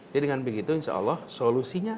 jadi dengan begitu insya allah solusinya